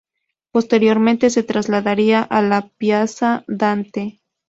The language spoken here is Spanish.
Posteriormente se trasladaría a la Piazza Dante.